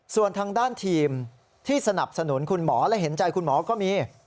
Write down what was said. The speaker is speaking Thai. ส่วนทางด้านทีมที่สนับสนุนคุณหมอและเห็นใจคุณหมอก็มี